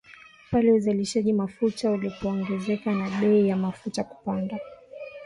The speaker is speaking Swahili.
pale uzalishaji mafuta ulipoongezeka na bei ya mafuta kupanda